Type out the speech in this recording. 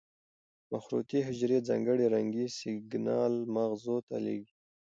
مخروطې حجرې ځانګړي رنګي سېګنال مغز ته لېږي.